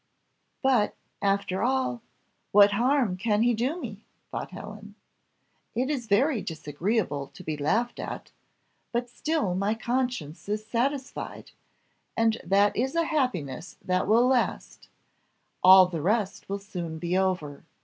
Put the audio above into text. "But, after all, what harm can he do me?" thought Helen. "It is very disagreeable to be laughed at, but still my conscience is satisfied, and that is a happiness that will last; all the rest will soon be over.